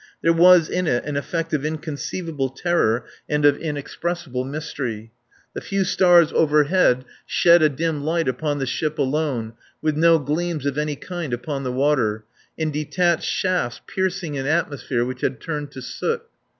There was in it an effect of inconceivable terror and of inexpressible mystery. The few stars overhead shed a dim light upon the ship alone, with no gleams of any kind upon the water, in detached shafts piercing an atmosphere which had turned to soot.